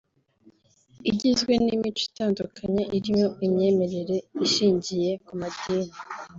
igizwe n’imico itandukanye irimo imyemerere ishingiye ku madini